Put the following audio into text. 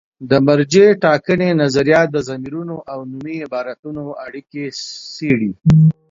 د مرجع ټاکنې نظریه د ضمیرونو او نومي عبارتونو اړیکې څېړي.